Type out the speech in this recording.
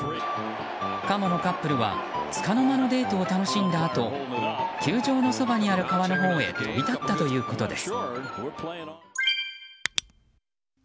カモのカップルはつかの間のデートを楽しんだあと球場のそばにある川のほうへ飛び立ったということです。